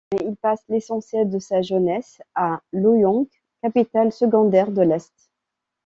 Mais il passe l'essentiel de sa jeunesse à Loyang, capitale secondaire de l'Est.